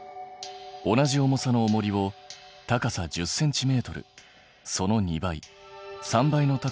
同じ重さのおもりを高さ１０ｃｍその２倍３倍の高さから杭に落とす。